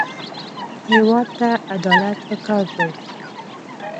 هېواد ته عدالت پکار دی